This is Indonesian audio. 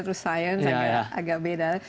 terus science agak beda